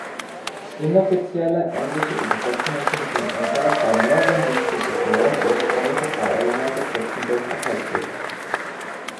Inoffizielle englische Übersetzungen sind im Internet bei mehreren Distributoren elektronischer Bauelemente kostenlos erhältlich.